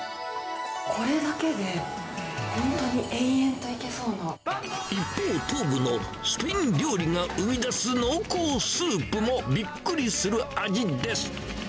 これだけで本当に延々といけ一方、東武のスペイン料理が生み出す濃厚スープもびっくりする味です。